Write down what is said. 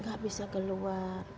enggak bisa keluar